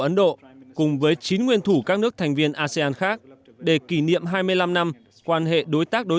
ấn độ cùng với chín nguyên thủ các nước thành viên asean khác để kỷ niệm hai mươi năm năm quan hệ đối tác đối